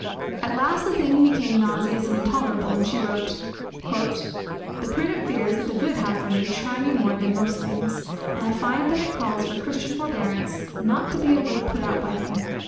At last the thing became nauseous and intolerable, and she wrote, 'The prudent fears that the good have for me try me more than most things, and I find that it calls for Christian forbearance not to be a little put out by them.